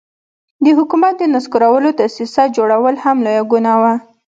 د حکومت د نسکورولو دسیسه جوړول هم لویه ګناه وه.